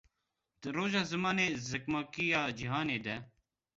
Di Roja Zimanê Zikmakî ya Cihanê De